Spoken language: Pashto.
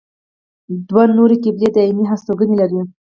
دوه نورې قبیلې دایمي هستوګنه لري.